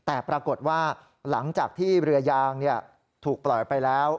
แต่ปรากฏว่าหลังจากที่เรือยางถูกปล่อยไปแล้ว